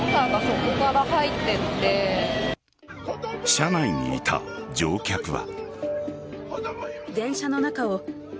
車内にいた乗客は。